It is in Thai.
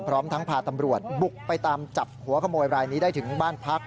พร้อมทั้งพาตำรวจบุกไปตามจับหัวขโมยรายนี้ได้ถึงบ้านพัก